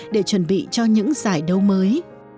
để chuẩn bị cho những giải đấu mới